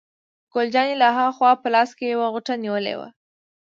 ګل جانې له ها خوا په لاس کې یوه غوټه نیولې وه.